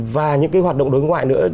và những cái hoạt động đối ngoại nữa